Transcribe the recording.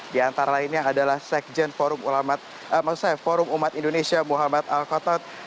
di antara lainnya adalah sekjen forum umat indonesia muhammad al khatad